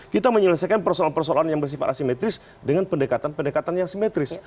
kita menyelesaikan persoalan persoalan yang bersifat asimetris dengan pendekatan pendekatan yang simetris